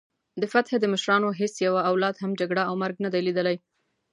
د فتح د مشرانو هیڅ یوه اولاد هم جګړه او مرګ نه دی لیدلی.